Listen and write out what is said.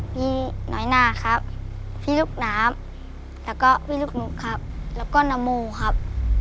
พี่น้อยหน้าครับพี่ลูกน้ำแล้วก็พี่ลูกนุ๊กครับแล้วก็นโมครับ